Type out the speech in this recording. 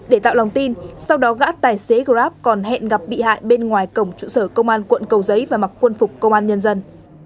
để tạo lòng tin sau đó gã tài xế grab còn hẹn gặp lại bên ngoài cổng trụ sở công an quận cầu giấy và mặc quân phục công an nhân dân